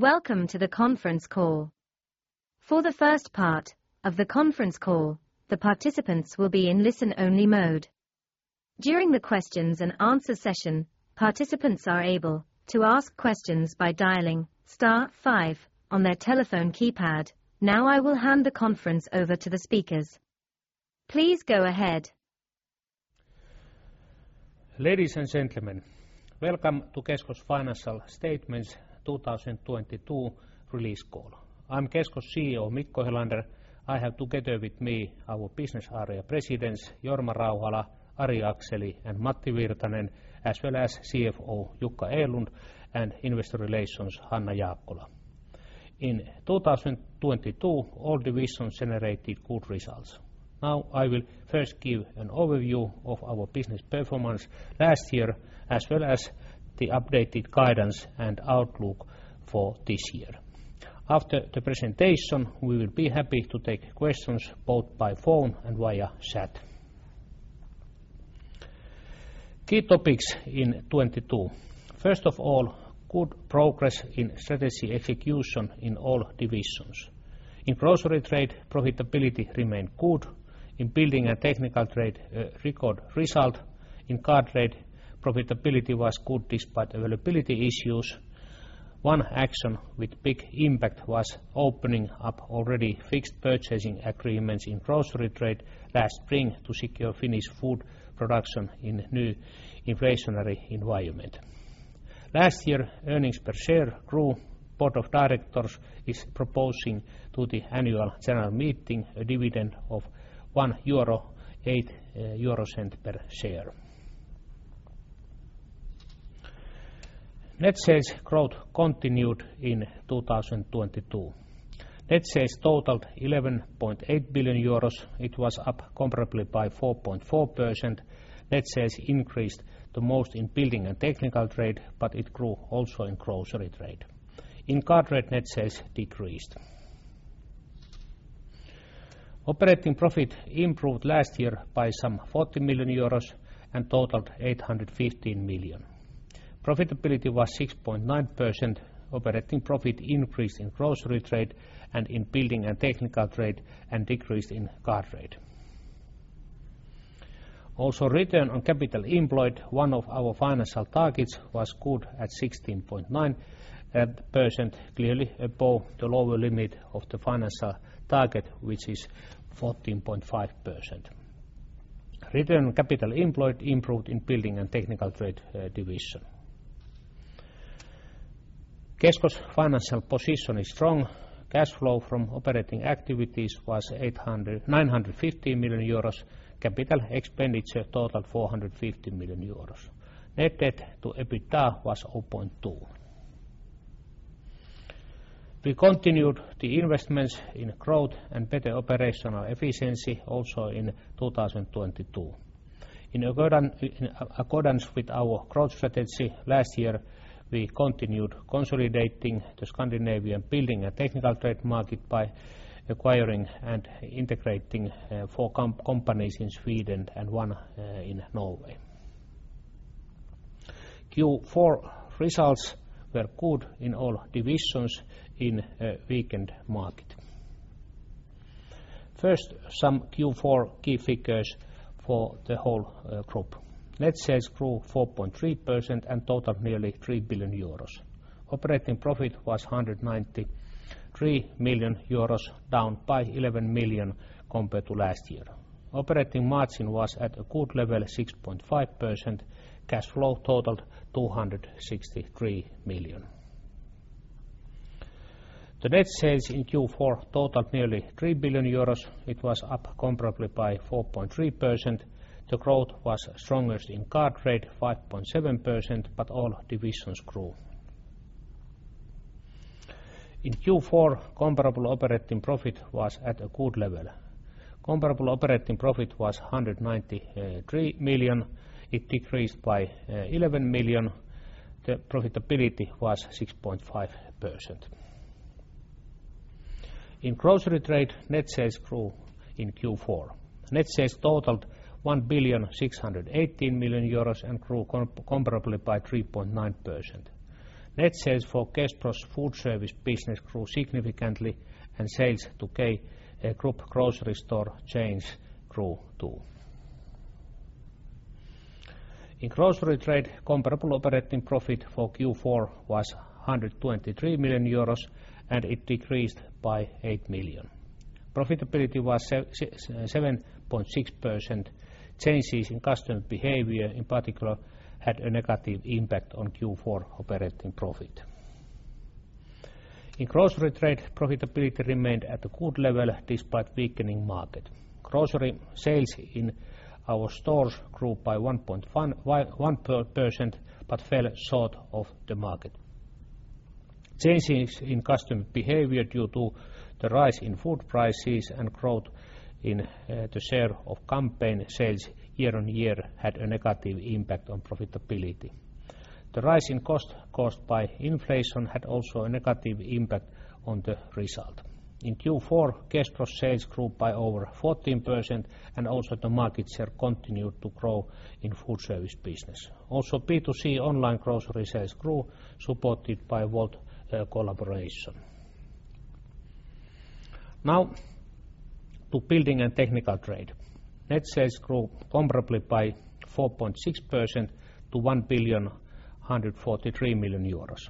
Welcome to the conference call. For the first part of the conference call, the participants will be in listen-only mode. During the questions and answer session, participants are able to ask questions by dialing star 5 on their telephone keypad. Now I will hand the conference over to the speakers. Please go ahead. Ladies and gentlemen, welcome to Kesko's Financial Statements 2022 release call. I'm Kesko's CEO, Mikko Helander. I have together with me our business area presidents, Jorma Rauhala, Ari Akseli, and Matti Virtanen, as well as CFO Jukka Erlund and Investor Relations Hanna Jaakkola. In 2022, all divisions generated good results. Now, I will first give an overview of our business performance last year, as well as the updated guidance and outlook for this year. After the presentation, we will be happy to take questions both by phone and via chat. Key topics in 2022. First of all, good progress in strategy execution in all divisions. In Grocery trade, profitability remained good. In Building and Technical Trade, record result. In Car trade, profitability was good despite availability issues. One action with big impact was opening up already fixed purchasing agreements in grocery trade last spring to secure finished food production in new inflationary environment. Last year, earnings per share grew. Board of directors is proposing to the annual general meeting a dividend of 1.08 euro per share. Net sales growth continued in 2022. Net sales totaled 11.8 billion euros. It was up comparably by 4.4%. Net sales increased the most in building and technical trade, but it grew also in grocery trade. In Car trade, net sales decreased. Operating profit improved last year by some 40 million euros and totaled 815 million. Profitability was 6.9%. Operating profit increased in grocery trade and in Building and Technical Trade, and decreased in Car trade. Return on capital employed, one of our financial targets, was good at 16.9%, clearly above the lower limit of the financial target, which is 14.5%. Return on capital employed improved in building and technical trade division. Kesko's financial position is strong. Cash flow from operating activities was 950 million euros. Capital expenditure totaled 450 million euros. Net debt to EBITDA was 0.2. We continued the investments in growth and better operational efficiency also in 2022. In accordance with our growth strategy last year, we continued consolidating the scandinavian building and technical trade market by acquiring and integrating four companies in Sweden and one in Norway. Q4 results were good in all divisions in a weakened market. Some Q4 key figures for the whole group. Net sales grew 4.3% and totaled nearly 3 billion euros. Operating profit was 193 million euros, down by 11 million compared to last year. Operating margin was at a good level, 6.5%. Cash flow totaled 263 million. The net sales in Q4 totaled nearly 3 billion euros. It was up comparably by 4.3%. The growth was strongest in car trade, 5.7%, but all divisions grew. In Q4, comparable operating profit was at a good level. Comparable operating profit was 193 million. It decreased by 11 million. The profitability was 6.5%. In Grocery trade, net sales grew in Q4. Net sales totaled 1,618 million euros and grew comparably by 3.9%. Net sales for Kespro's food service business grew significantly, and sales to K Group grocery store chains grew too. In grocery trade, comparable operating profit for Q4 was 123 million euros, and it decreased by 8 million. Profitability was 7.6%. Changes in customer behavior, in particular, had a negative impact on Q4 operating profit. In grocery trade, profitability remained at a good level despite weakening market. Grocery sales in our stores grew by 1.1%, but fell short of the market. Changes in customer behavior due to the rise in food prices and growth in the share of campaign sales year-on-year had a negative impact on profitability. The rise in cost caused by inflation had also a negative impact on the result. In Q4, Kesko sales grew by over 14% and also the market share continued to grow in foodservice business. B2C online grocery sales grew, supported by Wolt collaboration. To building and technical trade. Net sales grew comparably by 4.6% to 1,143 million euros.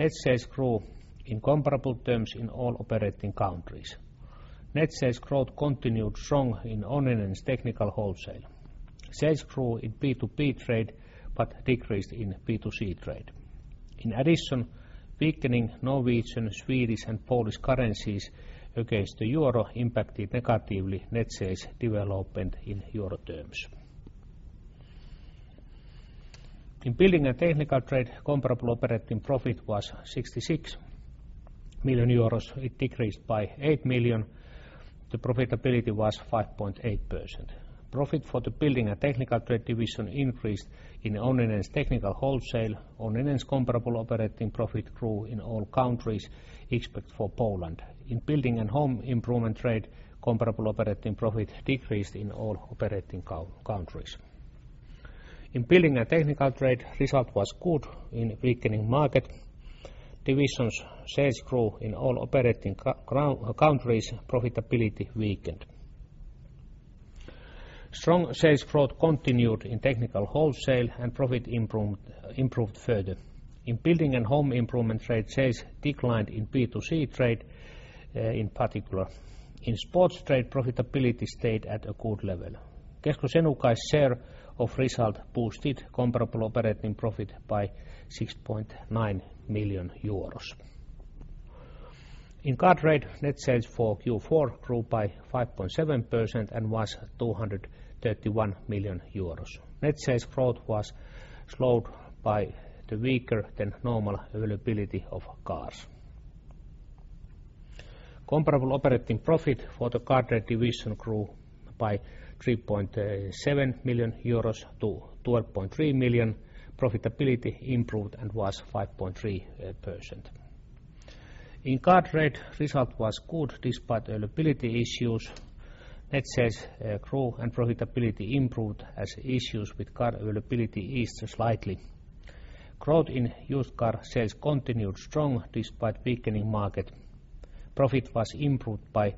Net sales grew in comparable terms in all operating countries. Net sales growth continued strong in Onninen's technical wholesale. Sales grew in B2B trade, but decreased in B2C trade. Weakening norwegian, swedish and polish currencies against the euro impacted negatively net sales development in euro terms. In Building and Technical Trade, comparable operating profit was 66 million euros. It decreased by 8 million. The profitability was 5.8%. Profit for the building and technical trade division increased in Onninen's technical wholesale. Onninen's comparable operating profit grew in all countries except for Poland. In building and home improvement trade, comparable operating profit decreased in all operating countries. In Building and Technical Trade, result was good in weakening market. Division's sales grew in all operating countries, profitability weakened. Strong sales growth continued in technical wholesale and profit improved further. In building and home improvement trade, sales declined in B2C trade in particular. In sports trade, profitability stayed at a good level. Kesko Senukai's share of result boosted comparable operating profit by 6.9 million euros. In Car trade, net sales for Q4 grew by 5.7% and was 231 million euros. Net sales growth was slowed by the weaker than normal availability of cars. Comparable operating profit for the Car trade division grew by 3.7 million-12.3 million euros. Profitability improved and was 5.3%. In car trade, result was good despite availability issues. Net sales grew and profitability improved as issues with car availability eased slightly. Growth in used car sales continued strong despite weakening market. Profit was improved by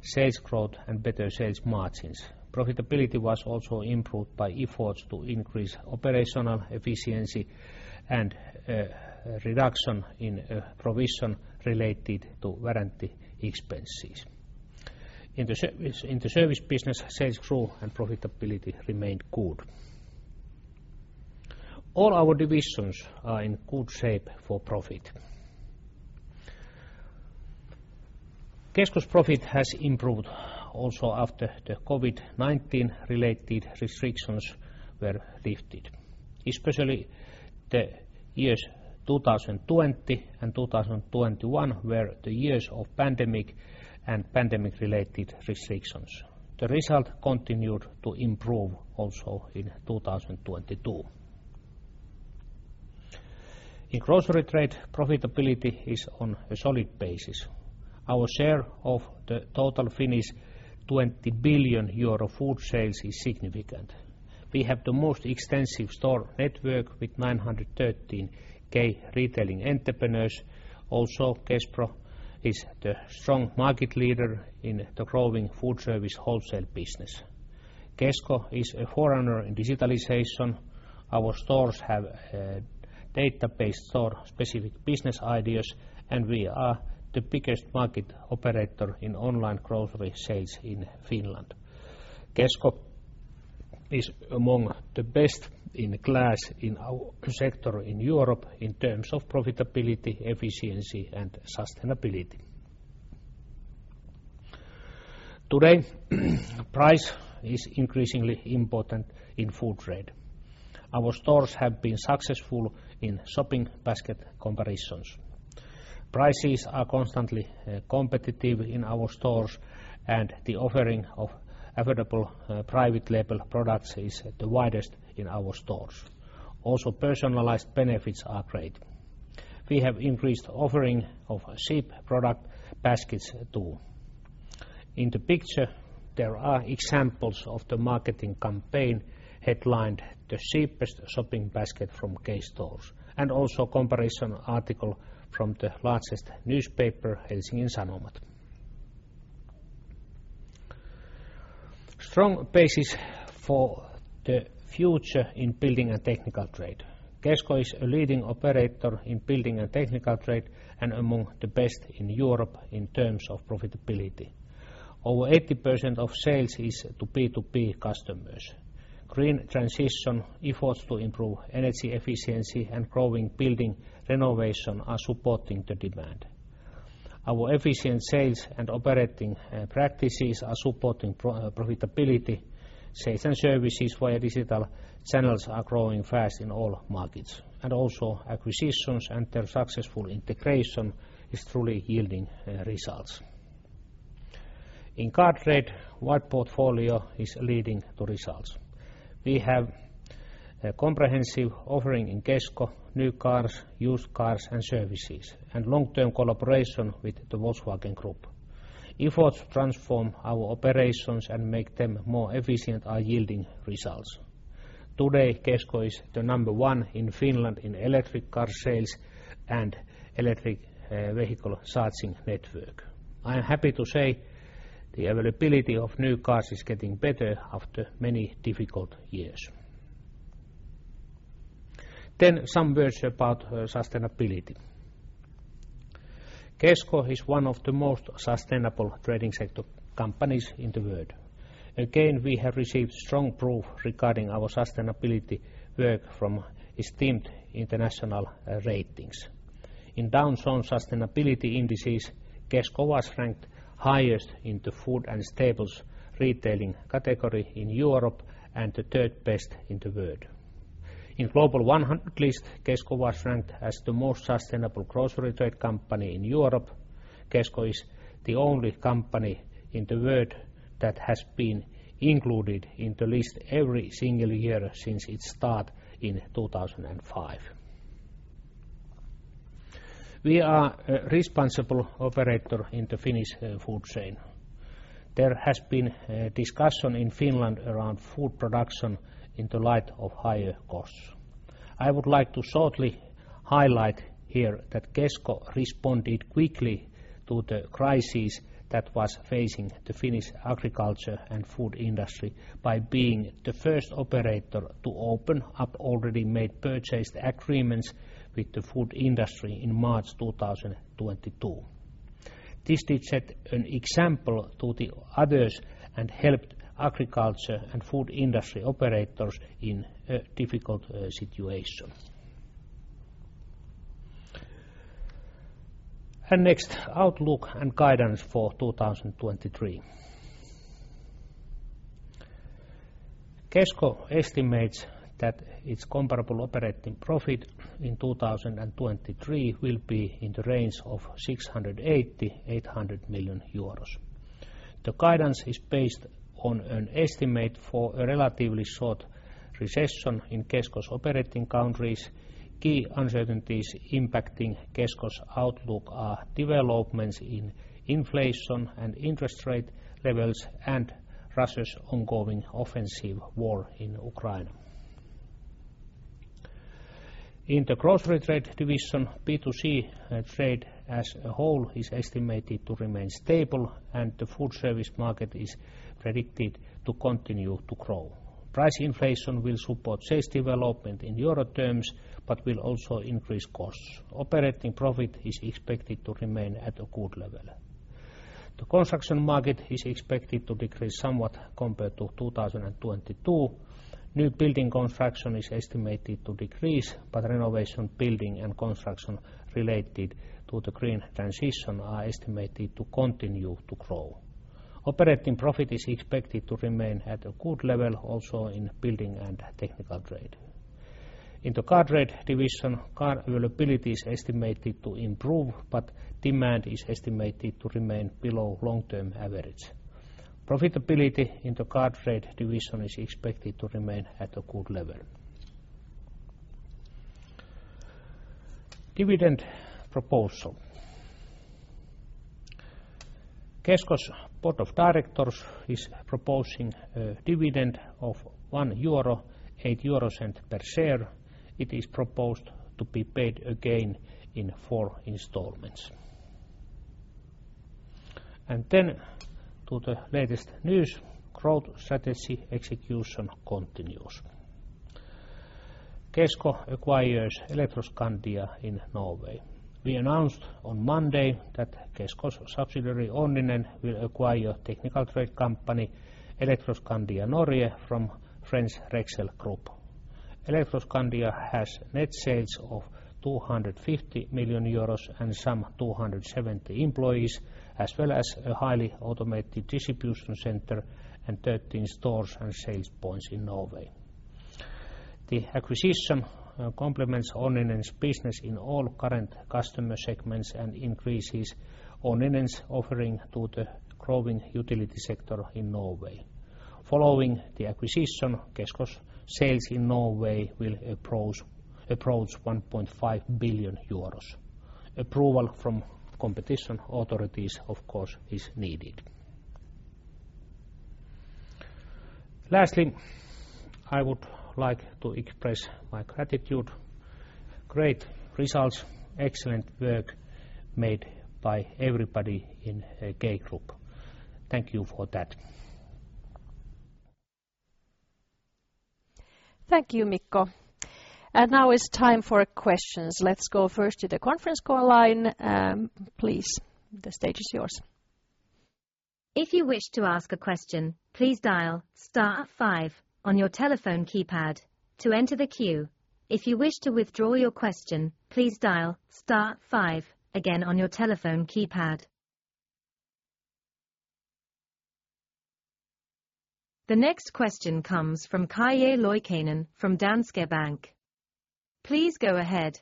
sales growth and better sales margins. Profitability was also improved by efforts to increase operational efficiency and reduction in provision related to warranty expenses. In the service business, sales grew and profitability remained good. All our divisions are in good shape for profit. Kesko's profit has improved also after the COVID-19 related restrictions were lifted. Especially the years 2020 and 2021 were the years of pandemic and pandemic-related restrictions. The result continued to improve also in 2022. In grocery trade, profitability is on a solid basis. Our share of the total Finnish 20 billion euro food sales is significant. We have the most extensive store network with 913 K-retailing entrepreneurs. Kespro is the strong market leader in the growing foodservice wholesale business. Kesko is a forerunner in digitalization. Our stores have database store specific business ideas, and we are the biggest market operator in online grocery sales in Finland. Kesko is among the best in class in our sector in Europe in terms of profitability, efficiency and sustainability. Today, price is increasingly important in food trade. Our stores have been successful in shopping basket comparisons. Prices are constantly competitive in our stores and the offering of affordable private label products is the widest in our stores. Personalized benefits are great. We have increased offering of cheap product baskets too. In the picture, there are examples of the marketing campaign headlined the cheapest shopping basket from K-stores, and also comparison article from the largest newspaper, Helsingin Sanomat. Strong basis for the future in Building and Technical Trade. Kesko is a leading operator in building and technical trade and among the best in Europe in terms of profitability. Over 80% of sales is to B2B customers. Green transition efforts to improve energy efficiency and growing building renovation are supporting the demand. Our efficient sales and operating practices are supporting pro-profitability. Sales and services via digital channels are growing fast in all markets, and also acquisitions and their successful integration is truly yielding results. In Car Trade, what portfolio is leading the results? We have a comprehensive offering in Kesko, new cars, used cars, and services, and long-term collaboration with the Volkswagen Group. Efforts transform our operations and make them more efficient are yielding results. Today, Kesko is the number one in Finland in electric car sales and electric vehicle charging network. I am happy to say the availability of new cars is getting better after many difficult years. Some words about sustainability. Kesko is one of the most sustainable trading sector companies in the world. We have received strong proof regarding our sustainability work from esteemed international ratings. In Dow Jones Sustainability Indices, Kesko was ranked highest in the food and staples retailing category in Europe and the third best in the world. In Global 100 list, Kesko was ranked as the most sustainable grocery trade company in Europe. Kesko is the only company in the world that has been included in the list every single year since its start in 2005. We are a responsible operator in the Finnish food chain. There has been a discussion in Finland around food production in the light of higher costs. I would like to shortly highlight here that Kesko responded quickly to the crisis that was facing the Finnish agriculture and food industry by being the first operator to open up already made purchase agreements with the food industry in March 2022. This did set an example to the others and helped agriculture and food industry operators in a difficult situation. Next, outlook and guidance for 2023. Kesko estimates that its comparable operating profit in 2023 will be in the range of 680 million-800 million euros. The guidance is based on an estimate for a relatively short recession in Kesko's operating countries. Key uncertainties impacting Kesko's outlook are developments in inflation and interest rate levels and Russia's ongoing offensive war in Ukraine. In the grocery trade division, B2C trade as a whole is estimated to remain stable, and the food service market is predicted to continue to grow. Price inflation will support sales development in Euro terms but will also increase costs. Operating profit is expected to remain at a good level. The construction market is expected to decrease somewhat compared to 2022. New building construction is estimated to decrease, but renovation, building, and construction related to the green transition are estimated to continue to grow. Operating profit is expected to remain at a good level also in building and technical trade. In the car trade division, car availability is estimated to improve, but demand is estimated to remain below long-term average. Profitability in the car trade division is expected to remain at a good level. Dividend proposal. Kesko's Board of Directors is proposing a dividend of 1.08 euro per share. It is proposed to be paid again in four installments. Then to the latest news, growth strategy execution continues. Kesko acquires Elektroskandia in Norway. We announced on Monday that Kesko's subsidiary, Onninen, will acquire technical trade company, Elektroskandia Norge, from French Rexel Group. Elektroskandia has net sales of 250 million euros and some 270 employees, as well as a highly automated distribution center and 13 stores and sales points in Norway. The acquisition complements Onninen's business in all current customer segments and increases Onninen's offering to the growing utility sector in Norway. Following the acquisition, Kesko's sales in Norway will approach 1.5 billion euros. Approval from competition authorities, of course, is needed. Lastly, I would like to express my gratitude. Great results, excellent work made by everybody in K Group. Thank you for that. Thank you, Mikko. Now it's time for questions. Let's go first to the conference call line. Please, the stage is yours. If you wish to ask a question, please dial star five on your telephone keypad to enter the queue. If you wish to withdraw your question, please dial star five again on your telephone keypad. The next question comes from Calle Loikkanen from Danske Bank. Please go ahead.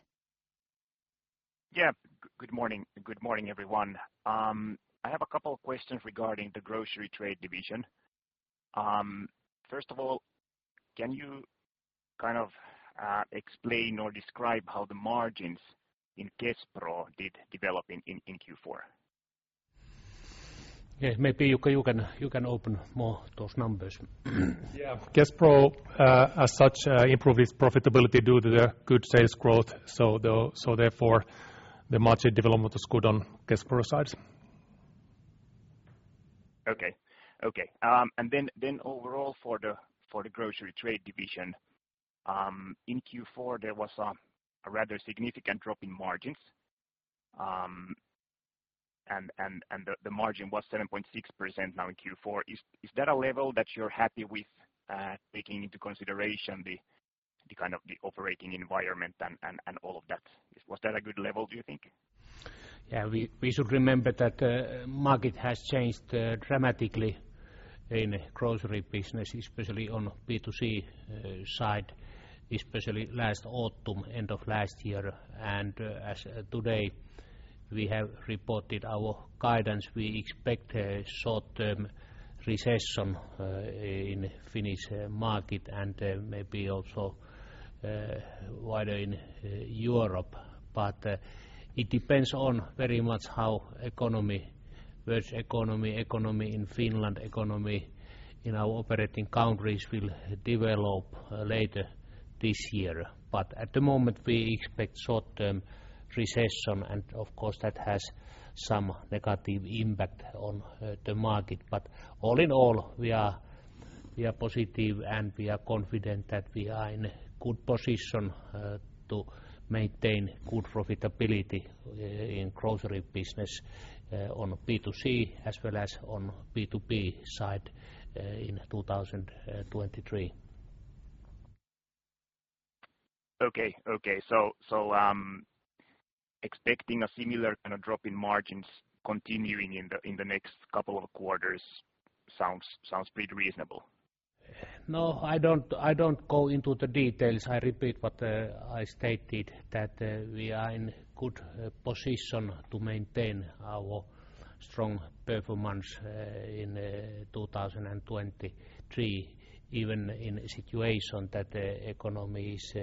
Yeah. Good morning. Good morning, everyone. I have a couple of questions regarding the grocery trade division. First of all, can you kind of explain or describe how the margins in Kespro did develop in Q4? Yeah. Maybe, Jukka, you can open more those numbers. Yeah. Kespro, as such, improved its profitability due to the good sales growth. Therefore, the margin development was good on Kespro sides. Okay. Okay. Then overall for the grocery trade division, in Q4, there was a rather significant drop in margins. The margin was 7.6% now in Q4. Is that a level that you're happy with, taking into consideration the kind of the operating environment and all of that? Was that a good level, do you think? We should remember that market has changed dramatically in grocery business, especially on B2C side, especially last autumn, end of last year. As of today, we have reported our guidance. We expect a short-term recession in Finnish market and maybe also wider in Europe. It depends on very much how economy, world's economy in Finland, economy in our operating countries will develop later this year. At the moment, we expect short-term recession. Of course, that has some negative impact on the market. All in all, we are positive. We are confident that we are in a good position to maintain good profitability in grocery business on B2C as well as on B2B side in 2023. Okay. expecting a similar kind of drop in margins continuing in the next couple of quarters sounds pretty reasonable. No, I don't go into the details. I repeat what I stated that we are in good position to maintain our strong performance in 2023. Even in a situation that the economy is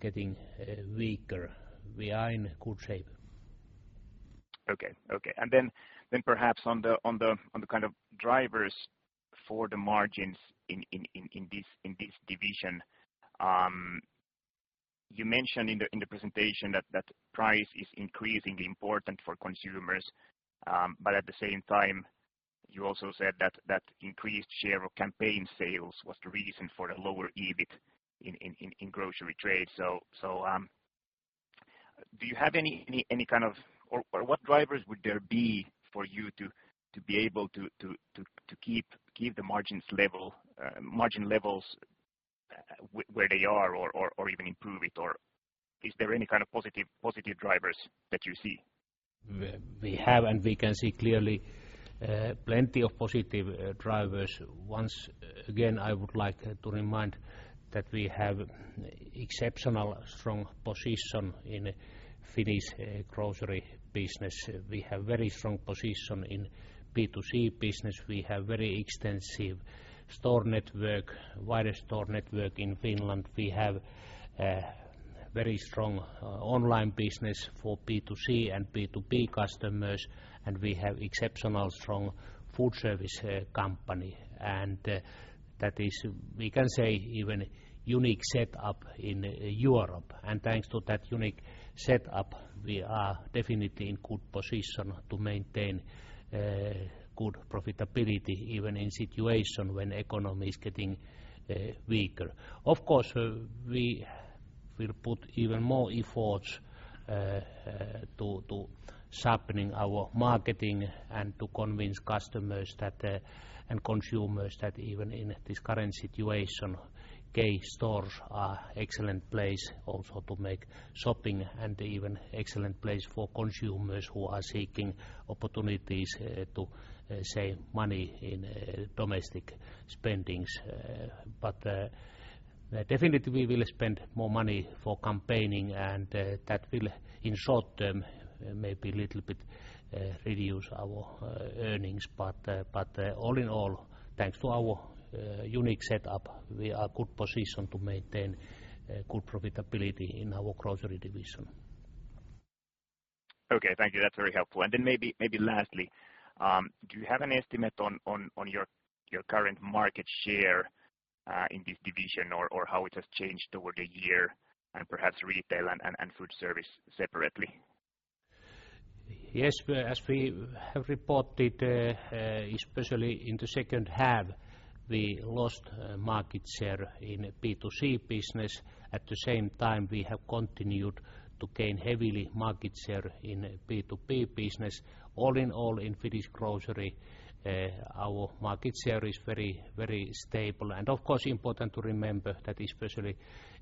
getting weaker, we are in good shape. Okay. Okay. Then perhaps on the kind of drivers for the margins in this division. You mentioned in the presentation that price is increasingly important for consumers. But at the same time, you also said that increased share of campaign sales was the reason for the lower EBIT in grocery trade. Do you have any kind of... or what drivers would there be for you to be able to keep the margins level, margin levels where they are or even improve it? Is there any kind of positive drivers that you see? We have and we can see clearly, plenty of positive drivers. Once again, I would like to remind that we have exceptional strong position in Finnish grocery business. We have very strong position in B2C business. We have very extensive store network, wide store network in Finland. We have very strong online business for B2C and B2B customers, and we have exceptional strong food service company. That is, we can say, even unique setup in Europe. Thanks to that unique setup, we are definitely in good position to maintain good profitability, even in situation when economy is getting weaker. Of course, we will put even more efforts, to sharpening our marketing and to convince customers that, and consumers that even in this current situation, K-stores are excellent place also to make shopping and even excellent place for consumers who are seeking opportunities, to save money in domestic spendings. Definitely, we will spend more money for campaigning, and that will, in short-term, maybe little bit, reduce our earnings. All in all, thanks to our unique setup, we are good position to maintain good profitability in our grocery division. Okay. Thank you. That's very helpful. Maybe lastly, do you have an estimate on your current market share, in this division or how it has changed over the year and perhaps retail and food service separately? Yes. As we have reported, especially in the second half, we lost market share in B2C business. At the same time, we have continued to gain heavily market share in B2B business. All in all, in Finnish grocery, our market share is very, very stable. Of course, important to remember that especially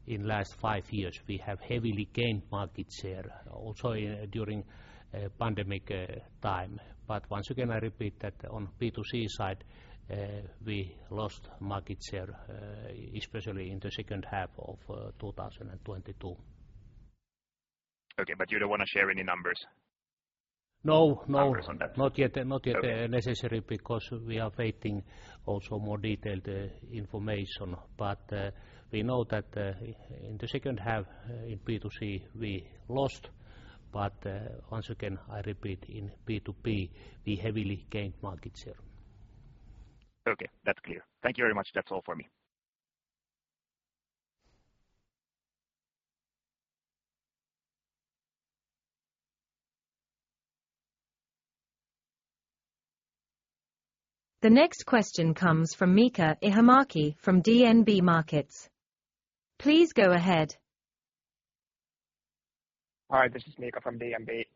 in last five years, we have heavily gained market share also during pandemic time. Once again, I repeat that on B2C side, we lost market share especially in the second half of 2022. Okay. You don't wanna share any numbers? No, no. Numbers on that. Not yet. Okay... necessary because we are waiting also more detailed information. We know that, in the second half in B2C we lost. Once again, I repeat, in B2B we heavily gained market share. Okay. That's clear. Thank you very much. That's all for me. The next question comes from Miika Ihamäki from DNB Markets. Please go ahead. Hi, this is Mika from DNB.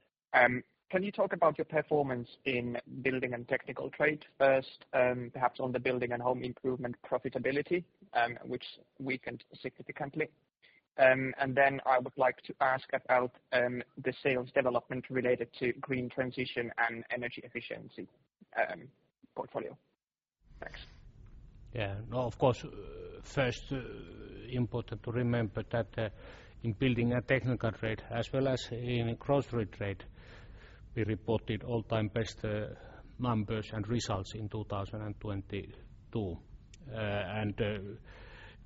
Can you talk about your performance in building and technical trade first, perhaps on the building and home improvement profitability, which weakened significantly? I would like to ask about, the sales development related to green transition and energy efficiency portfolio. Thanks. Yeah. No, of course, first important to remember that, in building and technical trade as well as in grocery trade, we reported all-time best, numbers and results in 2022.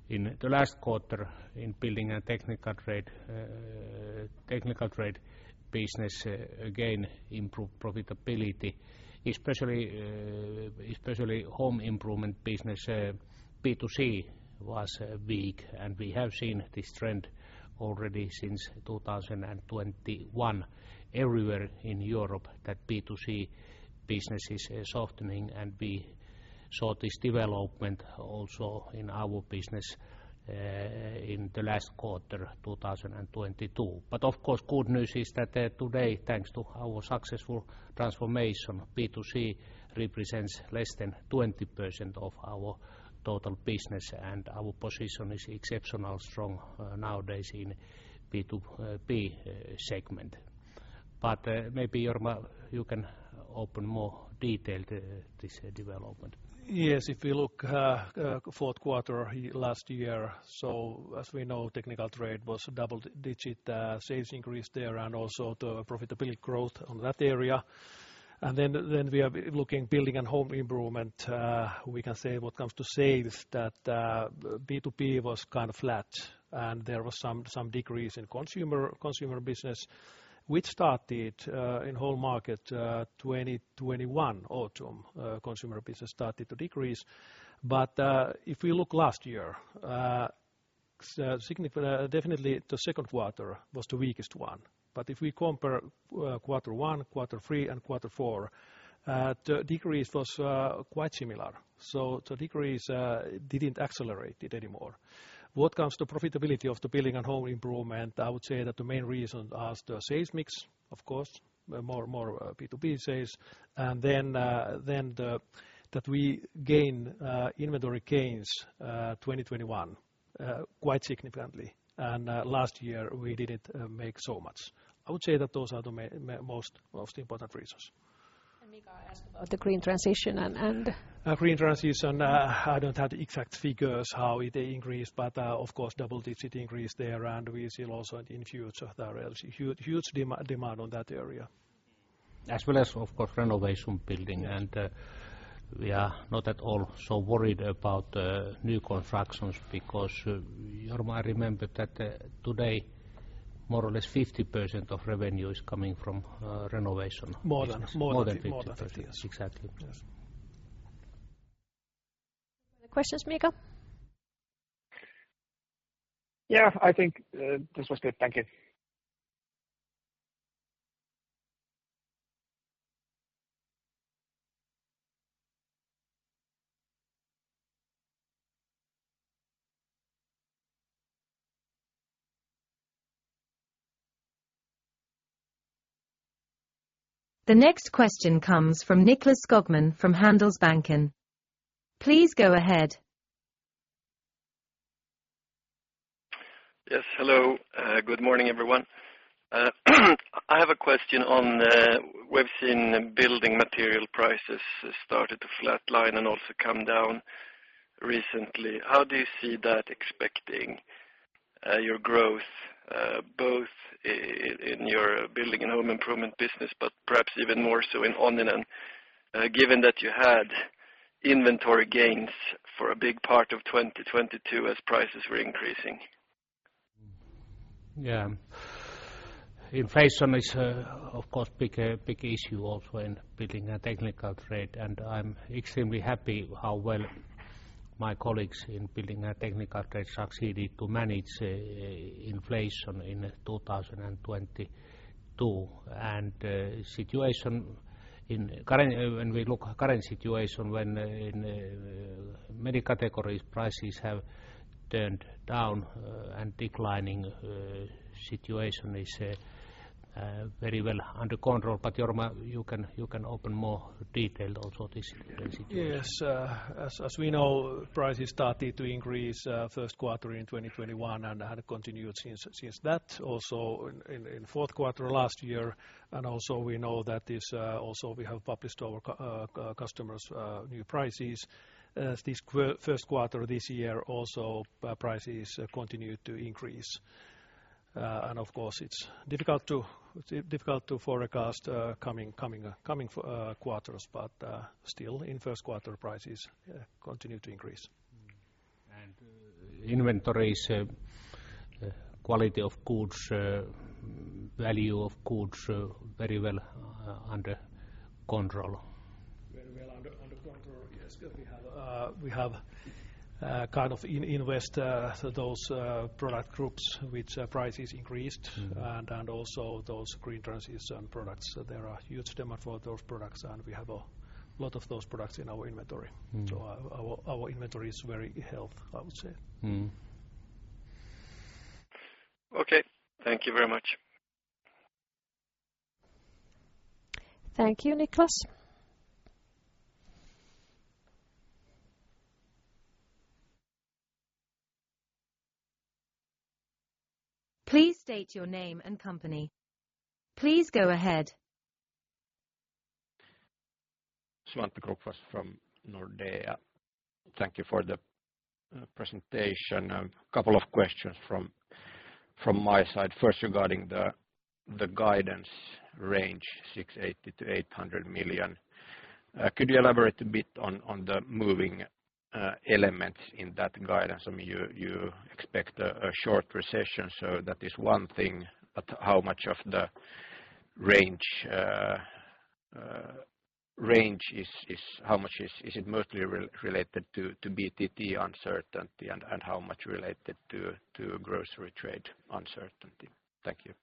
In the last quarter in building and technical trade, technical trade business, again, improved profitability, especially home improvement business, B2C was weak. We have seen this trend already since 2021 everywhere in Europe that B2C business is softening, and we saw this development also in our business, in the last quarter, 2022. Of course, good news is that, today, thanks to our successful transformation, B2C represents less than 20% of our total business, and our position is exceptionally strong, nowadays in B2B segment. Maybe, Jorma, you can open more detail this development. Yes. If you look last year, as we know, technical trade was double-digit sales increase there and also the profitability growth on that area. Then we are looking building and home improvement, we can say what comes to sales that B2B was kind of flat and there was some decrease in consumer business, which started in whole market, 2021 autumn, consumer business started to decrease. If we look last year, definitely the second quarter was the weakest one. If we compare quarter one, quarter three and quarter four, the decrease was quite similar. The decrease didn't accelerate it anymore. What comes to profitability of the building and home improvement, I would say that the main reason is the sales mix, of course, more B2B sales. Then, then the, that we gain, inventory gains, 2021, quite significantly. Last year we didn't make so much. I would say that those are the most important reasons. Mika asked about the green transition. green transition, I don't have the exact figures how it increased, but, of course, double digit increase there. We see also in future there is huge demand on that area. As well as, of course, renovation building. We are not at all so worried about new constructions because Jorma, I remember that today more or less 50% of revenue is coming from renovation. More than 50%. More than 50%. Exactly. Yes. Any questions, Miika? Yeah. I think, this was good. Thank you. The next question comes from Nicklas Skogman from Handelsbanken. Please go ahead. Yes, hello. Good morning, everyone. I have a question on, we've seen building material prices started to flatline and also come down recently. How do you see that expecting, your growth, both in your building and home improvement business, but perhaps even more so in Onninen, given that you had inventory gains for a big part of 2022 as prices were increasing? Inflation is, of course, big, big issue also in building and technical trade. I'm extremely happy how well my colleagues in building and technical trade succeeded to manage inflation in 2022. When we look current situation when in many categories prices have turned down and declining, situation is very well under control, but Jorma, you can open more detailed also this situation. Yes. As we know, prices started to increase, first quarter in 2021, and had continued since that, also in fourth quarter last year. Also we know that this, also we have published our customers' new prices. As this first quarter this year also, prices continue to increase. Of course, it's difficult to forecast coming quarters. Still in first quarter, prices continue to increase. Inventories, quality of goods, value of goods, very well under control. Very well under control. Yes. We have, kind of invest, those product groups which prices increased. Mm. Also those green transition products. There are huge demand for those products, and we have a lot of those products in our inventory. Mm. Our inventory is very healthy, I would say. Mm. Okay. Thank you very much. Thank you, Nicklas. Please state your name and company. Please go ahead. Svante Krokfors from Nordea. Thank you for the presentation. Couple of questions from my side. First, regarding the guidance range, 680 million-800 million. Could you elaborate a bit on the moving elements in that guidance? I mean, you expect a short recession, so that is one thing. How much of the range is how much is it mostly related to BTT uncertainty and how much related to grocery trade uncertainty? Thank you.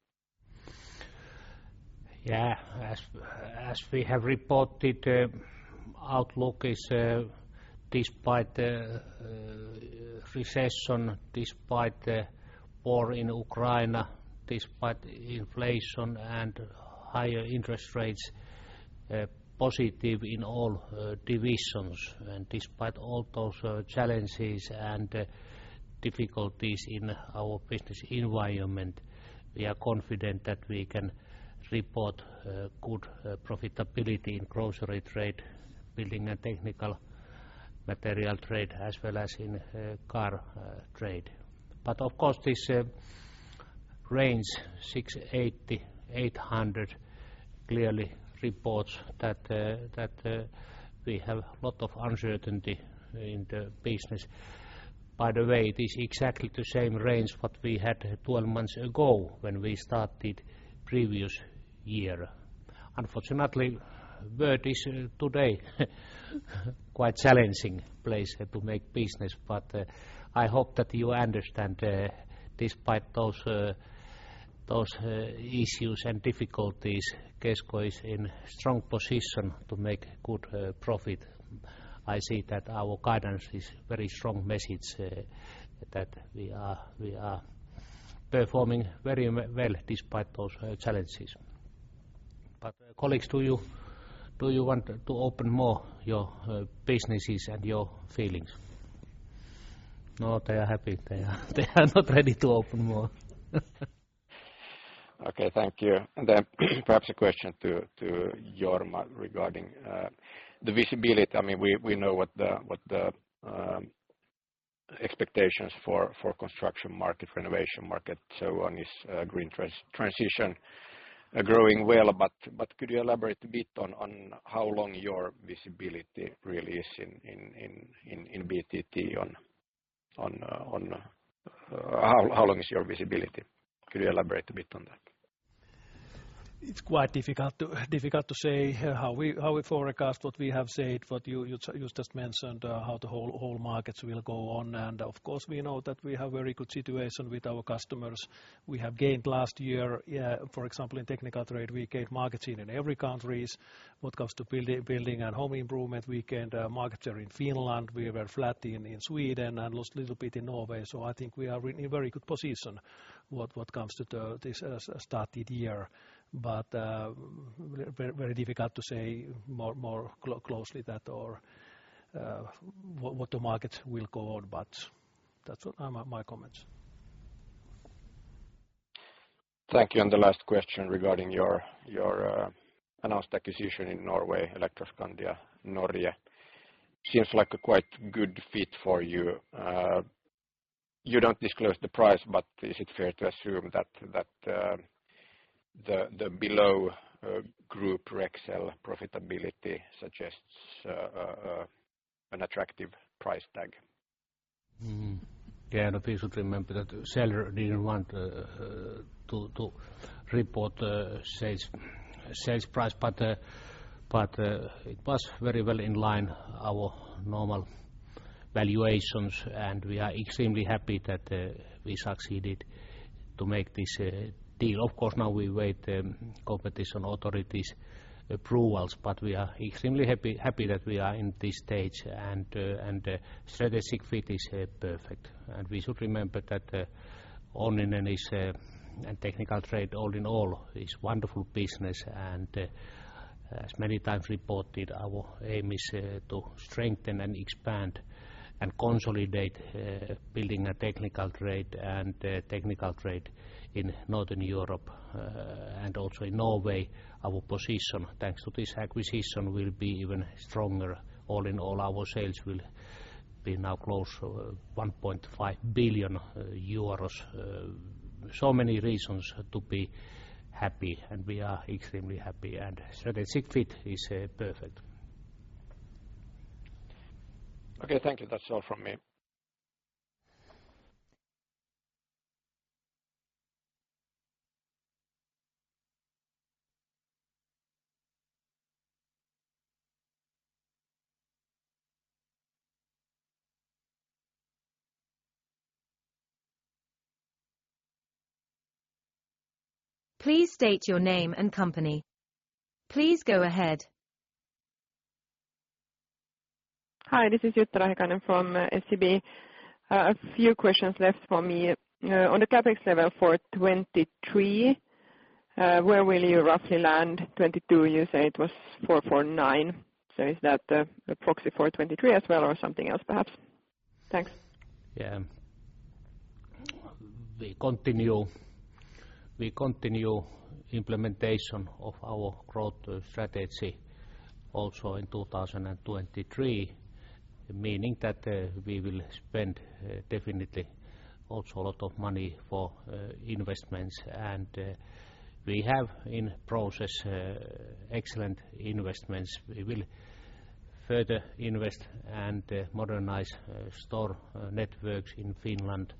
As we have reported, outlook is, despite the recession, despite the war in Ukraine, despite inflation and higher interest rates, positive in all divisions. Despite all those challenges and difficulties in our business environment, we are confident that we can report good profitability in grocery trade, building a technical material trade as well as in car trade. Of course, this range, 680 million-800 million clearly reports that we have a lot of uncertainty in the business. By the way, it is exactly the same range what we had 12 months ago when we started previous year. Unfortunately, world is today quite challenging place to make business. I hope that you understand despite those issues and difficulties, Kesko is in strong position to make good profit. I see that our guidance is very strong message that we are performing very well despite those challenges. Colleagues, do you want to open more your businesses and your feelings? No, they are happy. They are not ready to open more. Okay. Thank you. Then perhaps a question to Jorma regarding the visibility. I mean, we know what the expectations for construction market, renovation market, so on, is, green transition growing well. But could you elaborate a bit on how long your visibility really is in BTT on how long is your visibility? Could you elaborate a bit on that? It's quite difficult to say how we forecast what we have said, what you just mentioned, how the whole markets will go on. Of course, we know that we have very good situation with our customers. We have gained last year. For example, in technical trade, we gained market share in every countries. What comes to building and home improvement, we gained market share in Finland. We were flat in Sweden and lost little bit in Norway. I think we are in a very good position what comes to this started year. Very difficult to say more closely that or what the markets will go on. That's my comments. Thank you. The last question regarding your announced acquisition in Norway, Elektroskandia Norge. Seems like a quite good fit for you. You don't disclose the price, but is it fair to assume that the below group Rexel profitability suggests an attractive price tag? Yeah. We should remember that seller didn't want to report the sales price. It was very well in line our normal valuations, and we are extremely happy that we succeeded to make this deal. Of course, now we wait competition authorities approvals, we are extremely happy that we are in this stage and the strategic fit is perfect. We should remember that Onninen is and technical trade all in all is wonderful business and as many times reported, our aim is to strengthen and expand and consolidate building a technical trade and technical trade in Northern Europe. Also in Norway, our position, thanks to this acquisition, will be even stronger. All in all, our sales will be now close to 1.5 billion euros. Many reasons to be happy, and we are extremely happy, and strategic fit is perfect. Okay, thank you. That's all from me. Please state your name and company. Please go ahead. Hi, this is Jutta Rahikainen from SEB. A few questions left for me. On the CapEx level for 2023, where will you roughly land? 2022, you say it was 449 million. Is that a proxy for 2023 as well or something else perhaps? Thanks. Yeah. We continue implementation of our growth strategy also in 2023. Meaning that we will spend definitely also a lot of money for investments. We have in process excellent investments. We will further invest and modernize store networks in Finland.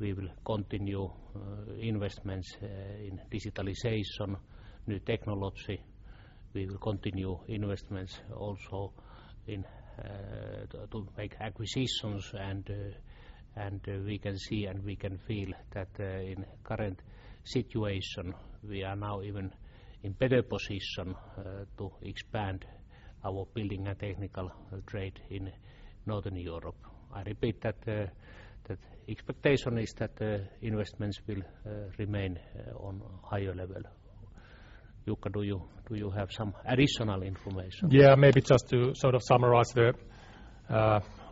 We will continue investments in digitalization, new technology. We will continue investments also to make acquisitions and we can see and we can feel that in current situation, we are now even in better position to expand our building and technical trade in Northern Europe. I repeat that expectation is that the investments will remain on higher level. Jukka, do you have some additional information? Yeah. Maybe just to sort of summarize the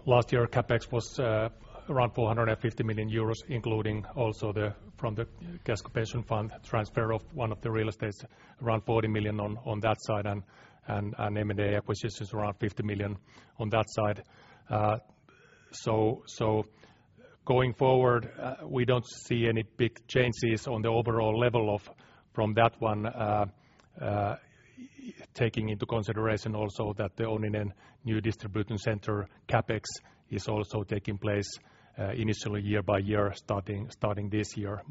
last year CapEx was around 450 million euros, including also the, from the Keskuspankki fund transfer of one of the real estates, around 40 million on that side and M&A acquisitions around 50 million on that side. Going forward, we don't see any big changes on the overall level of, from that one, taking into consideration also that the Onninen new distribution center CapEx is also taking place, initially year by year starting this year.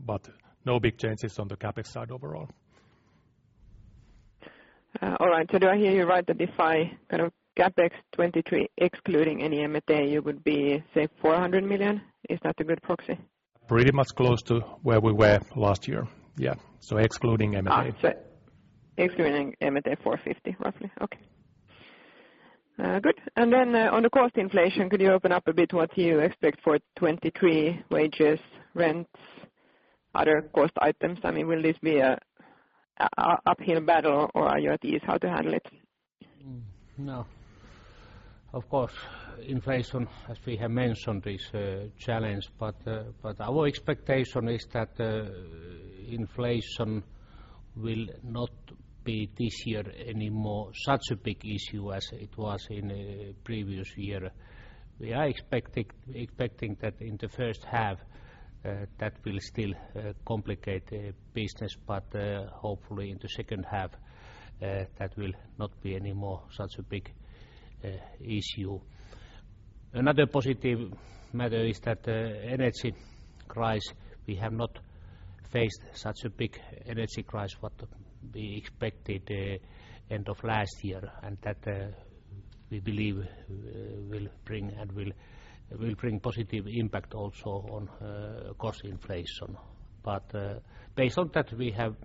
No big changes on the CapEx side overall. All right. Do I hear you right that if I kind of CapEx 2023 excluding any M&A, you would be, say, 400 million? Is that a good proxy? Pretty much close to where we were last year. Yeah. Excluding M&A. Excluding M&A, EUR 450 million, roughly. Okay. Good. On the cost inflation, could you open up a bit what you expect for 2023 wages, rents, other cost items? I mean, will this be a uphill battle, or are you at ease how to handle it? No. Of course, inflation, as we have mentioned, is a challenge. Our expectation is that inflation will not be this year any more such a big issue as it was in previous year. We are expecting that in the first half that will still complicate the business, but hopefully in the second half that will not be any more such a big issue. Another positive matter is that energy crisis, we have not faced such a big energy crisis what we expected end of last year, and that we believe will bring positive impact also on cost inflation. Based on that, we have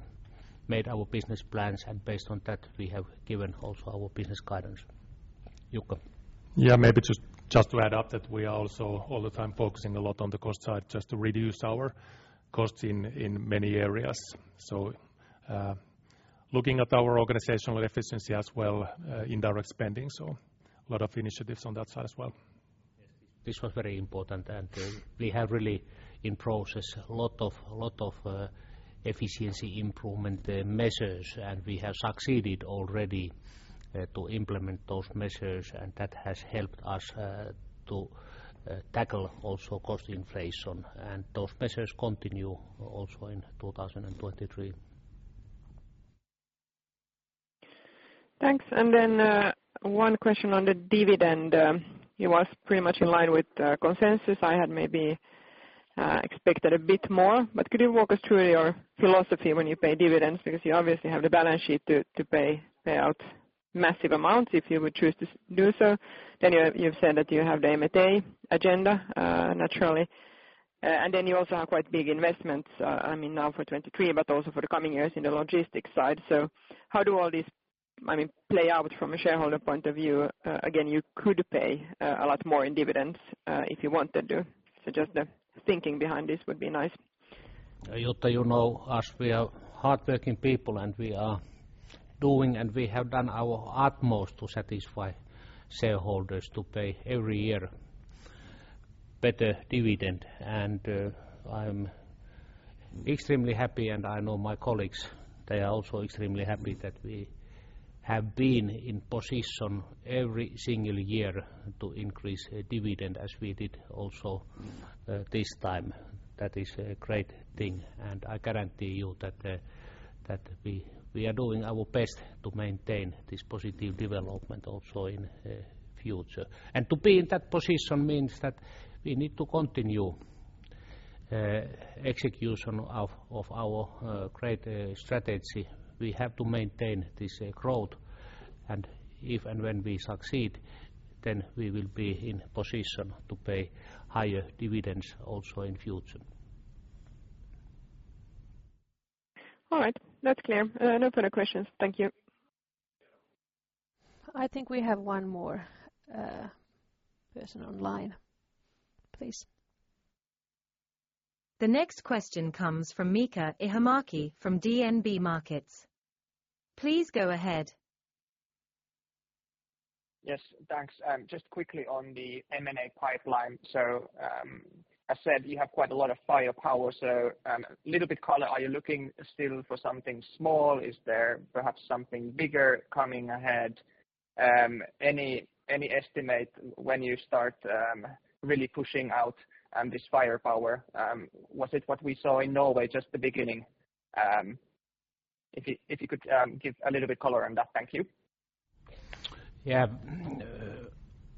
made our business plans, and based on that, we have given also our business guidance. Jukka. Yeah. Maybe just to add up that we are also all the time focusing a lot on the cost side just to reduce our costs in many areas. Looking at our organizational efficiency as well, indirect spending, a lot of initiatives on that side as well. This was very important, and we have really in process a lot of efficiency improvement measures, and we have succeeded already to implement those measures, and that has helped us to tackle also cost inflation. Those measures continue also in 2023. Thanks. One question on the dividend. It was pretty much in line with consensus. I had maybe expected a bit more. Could you walk us through your philosophy when you pay dividends? Because you obviously have the balance sheet to pay out massive amounts if you would choose to do so. You've said that you have the M&A agenda, naturally. You also have quite big investments, I mean now for 2023, but also for the coming years in the logistics side. How do all these, I mean, play out from a shareholder point of view? Again, you could pay a lot more in dividends if you wanted to. Just the thinking behind this would be nice. Jutta, you know us, we are hardworking people, and we are doing, and we have done our utmost to satisfy shareholders to pay every year better dividend. I'm extremely happy, and I know my colleagues, they are also extremely happy that we have been in position every single year to increase a dividend as we did also this time. That is a great thing, and I guarantee you that we are doing our best to maintain this positive development also in future. To be in that position means that we need to continue execution of our great strategy. We have to maintain this growth, and if and when we succeed, then we will be in position to pay higher dividends also in future. All right. That's clear. No further questions. Thank you. I think we have one more person online, please. The next question comes from Miika Ihamäki from DNB Markets. Please go ahead. Yes, thanks. Just quickly on the M&A pipeline. As said, you have quite a lot of firepower. Little bit color, are you looking still for something small? Is there perhaps something bigger coming ahead? Any estimate when you start really pushing out this firepower? Was it what we saw in Norway just the beginning? If you could give a little bit color on that. Thank you.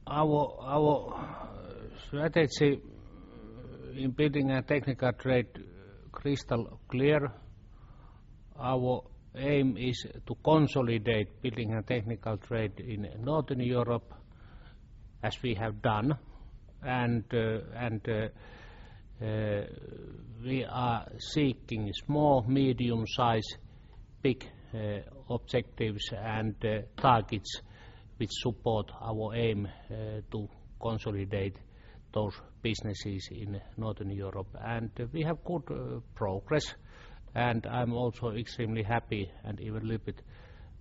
Our strategy in Building and Technical Trade crystal clear, our aim is to consolidate building and technical trade in Northern Europe, as we have done. We are seeking small, medium-size, big objectives and targets which support our aim to consolidate those businesses in Northern Europe. We have good progress, and I'm also extremely happy and even a little bit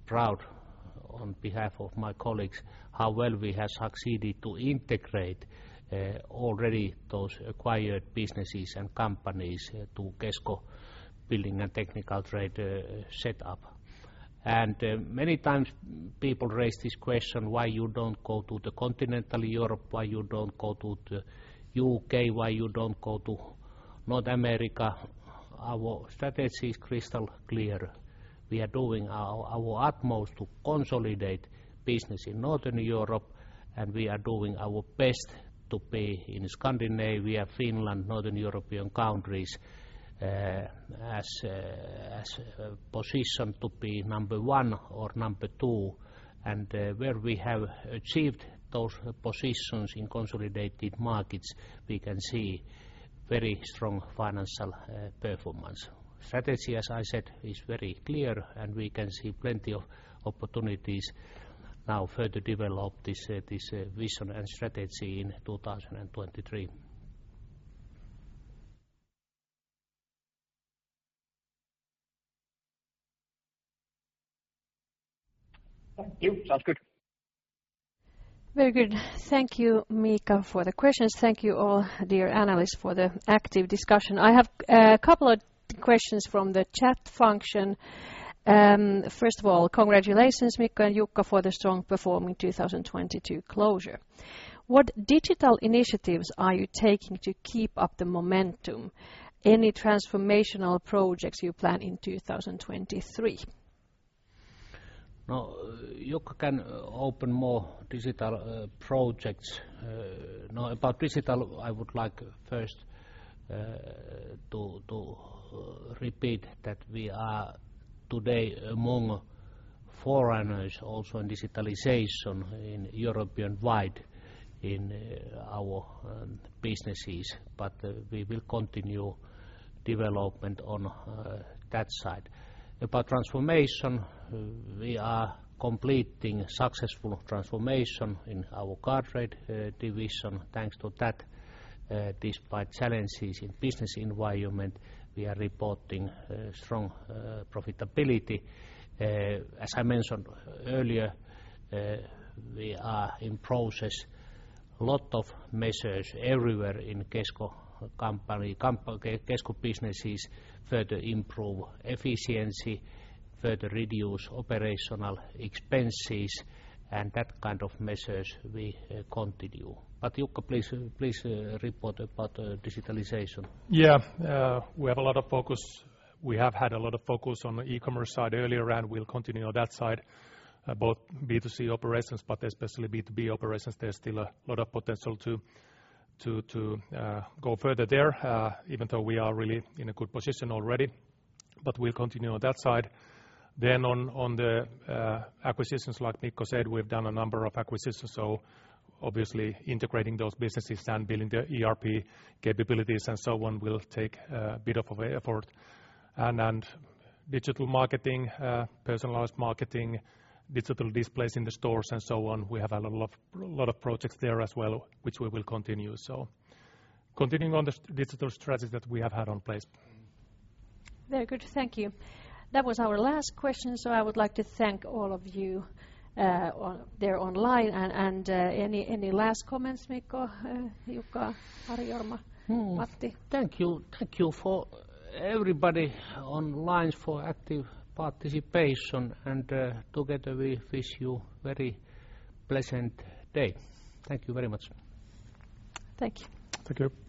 proud on behalf of my colleagues, how well we have succeeded to integrate already those acquired businesses and companies to Kesko building and technical trade set up. Many times people raise this question, "Why you don't go to Continental Europe? Why you don't go to the U.K.? Why you don't go to North America?" Our strategy is crystal clear. We are doing our utmost to consolidate business in Northern Europe, and we are doing our best to be in Scandinavia, Finland, Northern European countries, as a position to be number one or number two. Where we have achieved those positions in consolidated markets, we can see very strong financial performance. Strategy, as I said, is very clear, and we can see plenty of opportunities now further develop this vision and strategy in 2023. Thank you. Sounds good. Very good. Thank you, Miika, for the questions. Thank you all, dear analysts, for the active discussion. I have a couple of questions from the chat function. First of all, congratulations, Mika and Jukka, for the strong performing 2022 closure. What digital initiatives are you taking to keep up the momentum? Any transformational projects you plan in 2023? Jukka can open more digital projects. About digital, I would like first to repeat that we are today among forerunners also in digitalization in European-wide in our businesses. We will continue development on that side. About transformation, we are completing successful transformation in our Car trade division. Thanks to that, despite challenges in business environment, we are reporting strong profitability. As I mentioned earlier, we are in process a lot of measures everywhere in Kesko company, Kesko businesses, further improve efficiency, further reduce operational expenses, and that kind of measures we continue. Jukka, please report about digitalization. We have had a lot of focus on the e-commerce side earlier, we'll continue on that side, both B2C operations, but especially B2B operations. There's still a lot of potential to go further there, even though we are really in a good position already. We'll continue on that side. On the acquisitions, like Mika said, we've done a number of acquisitions, obviously integrating those businesses and building the ERP capabilities and so on will take a bit of a effort. Digital marketing, personalized marketing, digital displays in the stores and so on, we have a lot of projects there as well, which we will continue. Continuing on the digital strategies that we have had on place. Very good. Thank you. That was our last question, I would like to thank all of you, there online. Any last comments, Miiko, Jukka, Ari Akseli, Matti? Thank you. Thank you for everybody online for active participation. Together we wish you very pleasant day. Thank you very much. Thank you. Thank you.